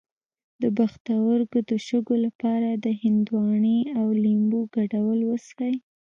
د پښتورګو د شګو لپاره د هندواڼې او لیمو ګډول وڅښئ